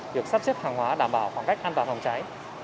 việc sắp xếp hàng hóa đảm bảo khoảng cách an toàn phòng cháy